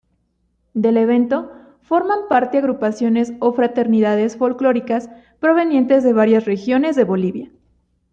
Del evento forman parte agrupaciones o fraternidades folclóricas provenientes de varias regiones de Bolivia.